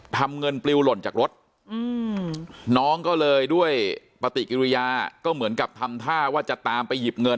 ทำเงินปลิวหล่นจากรถน้องก็เลยด้วยปฏิกิริยาก็เหมือนกับทำท่าว่าจะตามไปหยิบเงิน